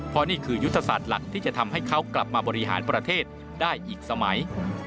เพราะนี่คือยุทธศาสตร์หลักที่จะทำให้เขากลับมาบริหารประเทศได้อีกสมัย